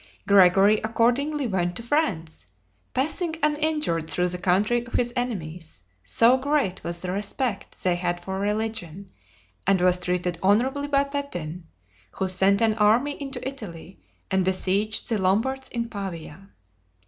Gregory accordingly went to France, passing uninjured through the country of his enemies, so great was the respect they had for religion, and was treated honorably by Pepin, who sent an army into Italy, and besieged the Lombards in Pavia.